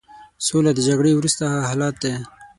سوله د جګړې وروسته هغه حالت دی.